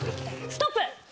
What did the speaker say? ストップ！